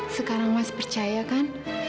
sekarang macak percaya kan